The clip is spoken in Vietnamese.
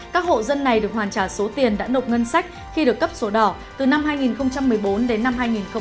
các hộ dân này được hoàn trả số tiền đã nộp ngân sách khi được cấp số đỏ từ năm hai nghìn một mươi bốn đến năm hai nghìn một mươi bảy